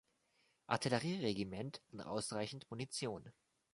Artillerieregiment an ausreichend Munition.